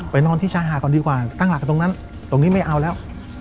นอนที่ชายหาดก่อนดีกว่าตั้งหลักกันตรงนั้นตรงนี้ไม่เอาแล้ว